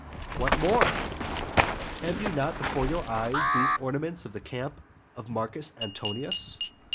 VI. What more? Have you not before your eyes those ornaments of the camp of Marcus Antonius?